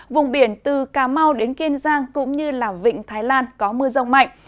vùng biển từ cà mau đến kiên giang cũng như vịnh thái lan có mưa rông mạnh